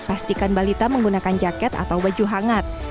pastikan balita menggunakan jaket atau baju hangat